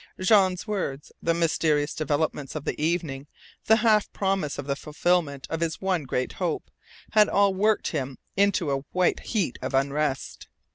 Jean's words, the mysterious developments of the evening, the half promise of the fulfilment of his one great hope had all worked him into a white heat of unrest.